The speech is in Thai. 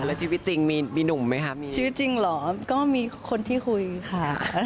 แล้วชีวิตจริงมีหนุ่มไหมคะมีชีวิตจริงเหรอก็มีคนที่คุยค่ะ